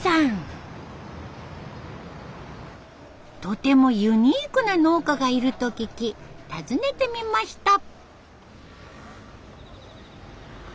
とてもユニークな農家がいると聞き訪ねてみました。